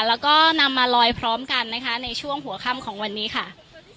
แล้วก็นำมาลอยพร้อมกันนะคะในช่วงหัวค่ำของวันนี้ค่ะ